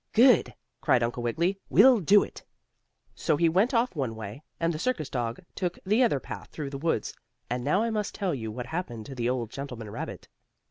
"Good!" cried Uncle Wiggily. "We'll do it!" So he went off one way, and the circus dog took the other path through the woods, and now I must tell you what happened to the old gentleman rabbit.